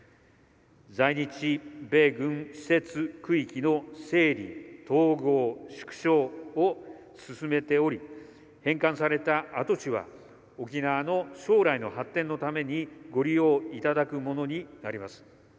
在日米軍施設・区域の整理・統合・縮小を進めており返還された跡地は沖縄の将来の発展のために御利用いただくものになります。